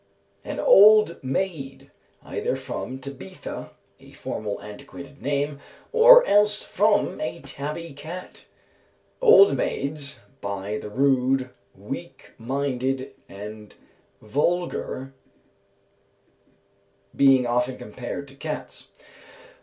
_ "An old maid; either from Tabitha, a formal antiquated name, or else from a tabby cat; old maids, by the rude, weak minded, and vulgar, being often compared to cats.